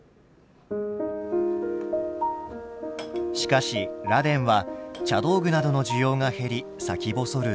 しかし螺鈿は茶道具などの需要が減り先細る